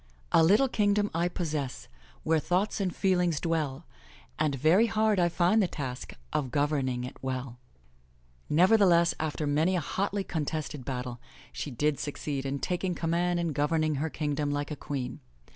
A little kingdom I possess^ Where thoughts and feelings dwell. And very hard I find the task Of governing it well Nevertheless, after many a hotly contested battle, she did succeed in taking command and governing her kingdom like a queen.